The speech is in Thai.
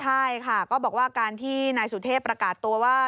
ใช่ค่ะก็บอกว่าการที่นายสุเทพประกาศตัวว่า